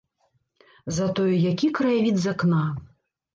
Затое які краявід з акна!